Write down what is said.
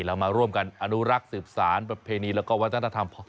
เรามาร่วมกันอนุรักษ์สืบสารประเพณีแล้วก็วัฒนธรรม